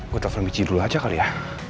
gue telepon biji dulu aja kali ya